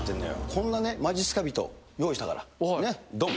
こんな、まじっすか人、用意したから、ねっ、どん。